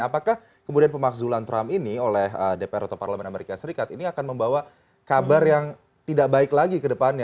apakah kemudian pemakzulan trump ini oleh dpr atau parlemen amerika serikat ini akan membawa kabar yang tidak baik lagi ke depannya